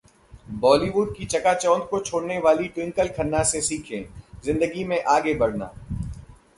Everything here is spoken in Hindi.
बॉलीवुड की चकाचौंध को छोड़ने वाली ट्विंकल खन्ना से सीखें जिंदगी में आगे बढ़ना...